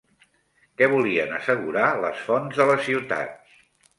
Què volien assegurar les fonts de la ciutat?